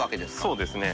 そうですね。